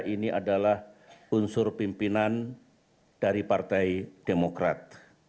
ini adalah unsur pimpinan dari partai demokrat